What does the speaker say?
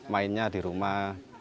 mainnya di rumah